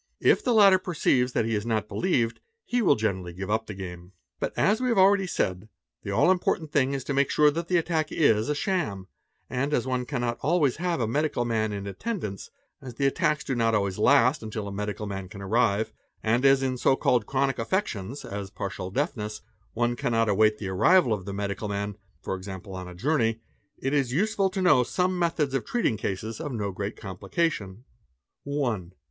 If the latter perceives that he is not believed he will generally give up the game. he But, as we have already said, the all important thing is to make sure that the attack is a sham; and as one cannot always have a medical man in attendance, as the attacks do not always last until a medical man can arrive, and as in so called chronic affections (as partial deafness) one cannot await the arrival of the medical man (for example on a journey), it is useful to know some methods of treating cases of no great compli cation. » 1.